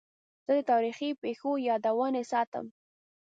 زه د تاریخي پیښو یادونې ساتم.